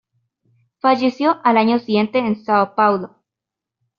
Falleció al año siguiente en São Paulo.